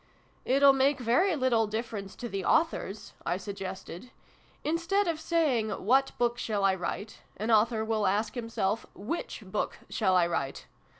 " It'll make very little difference to the authors" I suggested. " Instead of saying ' what book shall I write ?' an author will ask himself ' which book shall I write